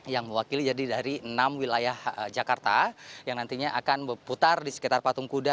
yang mewakili jadi dari enam wilayah jakarta yang nantinya akan berputar di sekitar patung kuda